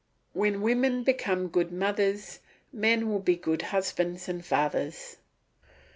When women become good mothers, men will be good husbands and fathers.